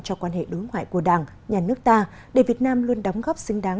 cho quan hệ đối ngoại của đảng nhà nước ta để việt nam luôn đóng góp xứng đáng